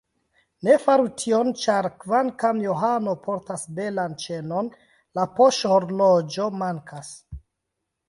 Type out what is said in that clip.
Ne faru tion, ĉar kvankam Johano portas belan ĉenon, la poŝhorloĝo mankas.